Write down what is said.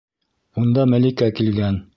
Унда Мәликә килгән.